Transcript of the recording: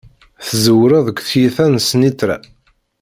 Tzewṛeḍ g tyita n ssnitra.